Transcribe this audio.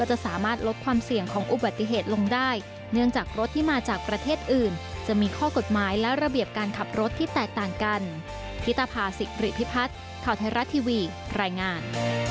ฮิตภาษิกฤทธิพัฒน์เข้าเทราะทีวีรายงาน